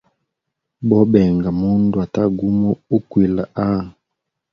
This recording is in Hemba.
Bobenga mundu ata gumo ukwila haa.